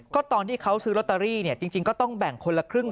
ก็ตอนที่เขาซื้อลอตเตอรี่เนี่ยจริงก็ต้องแบ่งคนละครึ่ง